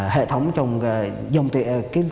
hệ thống trong dòng tiền